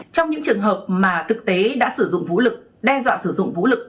trong những trường hợp mà thực tế đã sử dụng vũ lực đe dọa sử dụng vũ lực